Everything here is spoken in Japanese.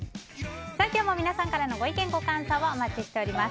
今日も皆さんからのご意見ご感想をお待ちしています。